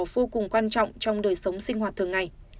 vô cùng quan trọng trong đời sống sinh hoạt thường ngày